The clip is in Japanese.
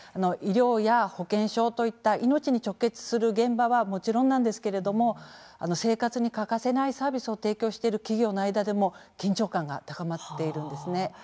医療や保健所など命に直結する現場はもちろんなんですけれども生活に欠かせないサービスを提供している企業の間でも緊張感が高まっているんです。